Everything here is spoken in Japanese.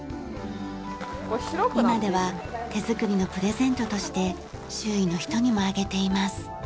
今では手作りのプレゼントとして周囲の人にもあげています。